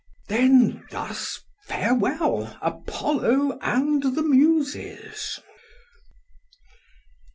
The thus farewell Apollo and the Muses.